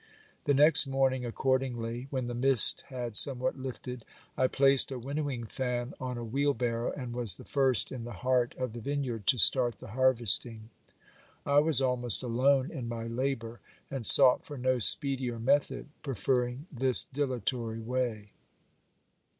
The next morning accord ingly, when the mist had somewhat lifted, I placed a winnowing fan on a wheel barrow, and was the first in the heart of the vineyard to start the harvesting. I was almost alone in my labour and sought for no speedier method, preferring this dilatory way.